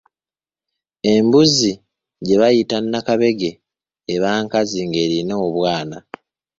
Embuzi gye bayita nakabege eba nkazi ng'erina obwana.